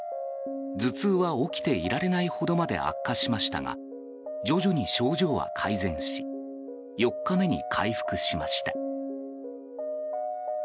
頭痛は起きていられないほどまで悪化しましたが徐々に症状は改善し４日目に回復しました。